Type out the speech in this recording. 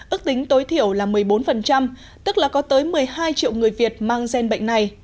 ước tính tối thiểu là một mươi bốn tức là có tới một mươi hai triệu người việt mang gen bệnh này